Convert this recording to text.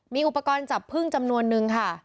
มีอุปกรณ์จับพึ่งจำนวนนึงค่ะ